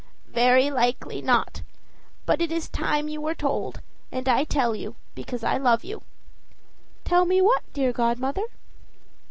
"Very likely not. But it is time you were told; and I tell you, because I love you." "Tell me what, dear godmother?"